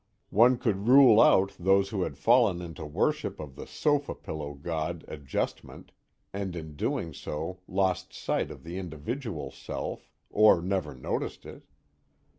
One could rule out those who had fallen into worship of the sofa pillow god Adjustment, and in doing so lost sight of the individual self or never noticed it.